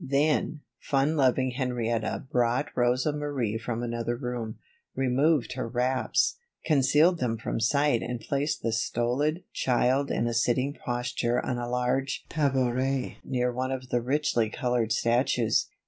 Then, fun loving Henrietta brought Rosa Marie from another room, removed her wraps, concealed them from sight and placed the stolid child in a sitting posture on a large tabouret near one of the richly colored statues.